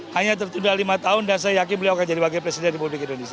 hanya tertunda lima tahun dan saya yakin beliau akan jadi wakil presiden republik indonesia